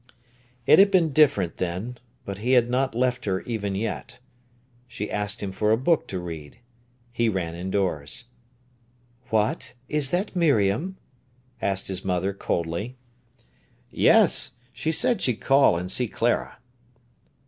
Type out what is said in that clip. It had been different then, but he had not left her even yet. She asked him for a book to read. He ran indoors. "What! is that Miriam?" asked his mother coldly. "Yes; she said she'd call and see Clara."